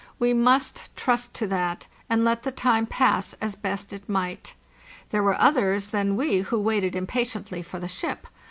We must trust to that, and let the time pass as best it might. There were others than we who waited impatiently for the ship.